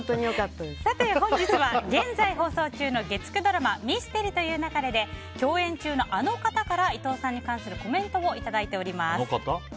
本日は現在放送中の月９ドラマ「ミステリと言う勿れ」で共演中のあの方から伊藤さんに関するコメントをいただいております。